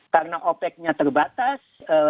karena opec nya terbatas dan